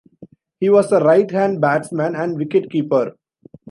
He was a right hand batsman and wicket-keeper.